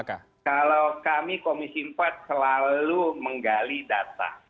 kalau kami komisi empat selalu menggali data